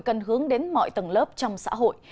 cần hướng đến mọi tầng lớp trong xã hội